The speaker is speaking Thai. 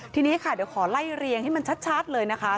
ทีนี้ค่ะเดี๋ยวขอไล่เรียงให้มันชัดเลยนะคะ